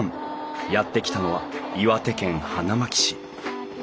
やって来たのは岩手県花巻市。